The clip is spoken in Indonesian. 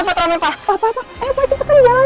parder gak bisa dokter itu